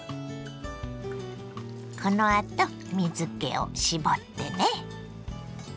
このあと水けを絞ってね。